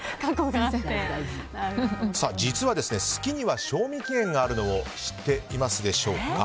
実は好きには賞味期限があるのを知っていますでしょうか。